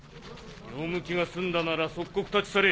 用向きが済んだなら即刻立ち去れ。